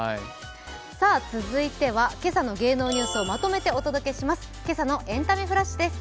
続いては今朝の芸能ニュースをまとめてお届けします